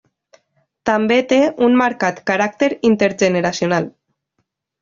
També té un marcat caràcter intergeneracional.